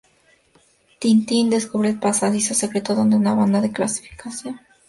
Tintín descubre el pasadizo secreto donde una banda de falsificación guardaba sus objetos robados.